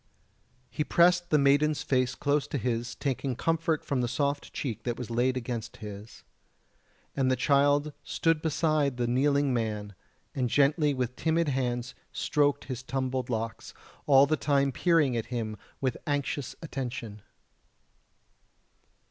He pressed the maiden's face close to his, taking comfort from the soft cheek that was laid against his. And the child stood beside the kneeling man, and gently with timid hands stroked his tumbled locks, all the time peering at him with anxious attention.